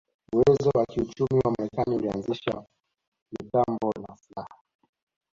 Uwezo wa kiuchumi wa Marekani ulizalisha mitambo na silaha